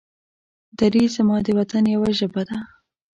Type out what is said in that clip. دري زما د وطن يوه ژبه ده.